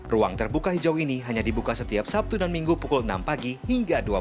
ruang terbuka hijau ini hanya dibuka setiap sabtu dan minggu pukul enam pagi hingga dua puluh